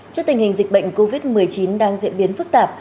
trước tình hình dịch bệnh covid một mươi chín đang diễn biến phức tạp